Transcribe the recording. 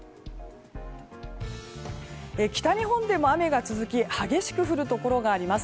北日本でも雨が続き激しく降るところがあります。